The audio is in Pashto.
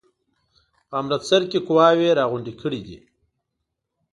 په امرتسر کې قواوي را غونډي کړي دي.